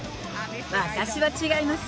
私は違います。